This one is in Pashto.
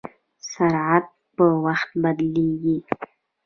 سرعت په وخت بدلېږي.